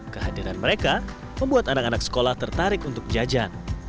kehadiran mereka membuat anak anak sekolah tertarik untuk jajan